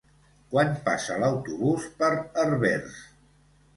Quan passa l'autobús per Herbers?